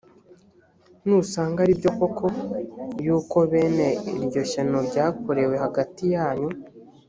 nusanga ari byo koko, yuko bene iryo shyano ryakorewe hagati yanyu,